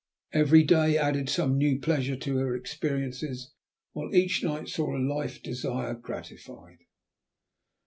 Every day added some new pleasure to her experiences, while each night saw a life desire gratified.